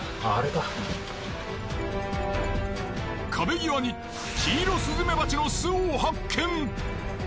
壁際にキイロスズメバチの巣を発見。